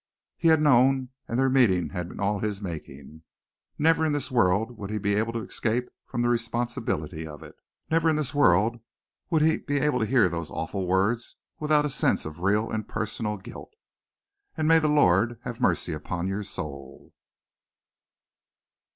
He had known, and their meeting had been all his making! Never in this world would he be able to escape from the responsibility of it, never in this world would he be able to hear those awful words without a sense of real and personal guilt, "And may the Lord have mercy upon your soul!"